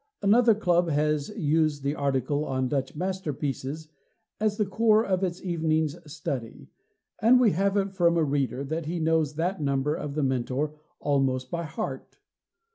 Another club has used the article on "Dutch Masterpieces" as the core of its evening's study, and we have it from a reader that he knows that number of The Mentor "almost by heart."